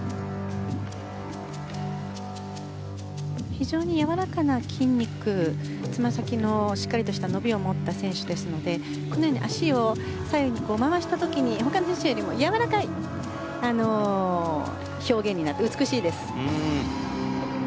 非常にやわらかな筋肉つま先のしっかりとした伸びを持った選手ですので脚を左右に回した時他の選手よりもやわらかい表現になって美しいです。